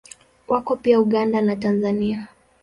Wako pia Uganda na Tanzania.